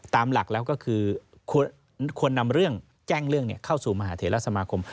ตามหลักแล้วก็คือควรนำเรื่องแจ้งเรื่องเข้าสู่มหาเถระสมาคม